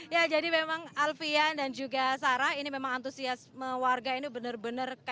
ya jadi memang alfian dan juga sarah ini memang antusiasme warga ini benar benar